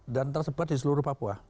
dan tersebar di seluruh papua